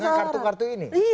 dengan kartu kartu ini